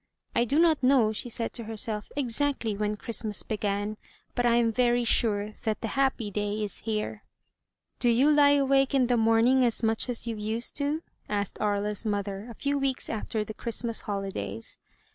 '*I do not know," she said to herself, "exactly when Christmas began, but I am very sure that the happy day is here." "Do you lie awake in the morning as much as you used to?" asked Aria's mother, a few weeks after the Christmas holidays.